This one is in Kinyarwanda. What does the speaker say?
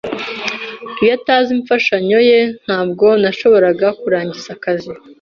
Iyo ataba imfashanyo ye, ntabwo nashoboraga kurangiza akazi.